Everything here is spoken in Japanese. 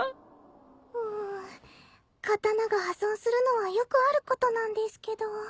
うん刀が破損するのはよくあることなんですけど。